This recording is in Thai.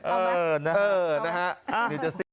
เออนะฮะ